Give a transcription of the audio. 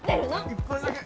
１本だけ。